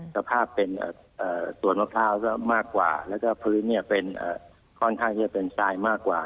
สภาพเป็นสวนมะพร้าวซะมากกว่าแล้วก็พื้นค่อนข้างที่จะเป็นทรายมากกว่า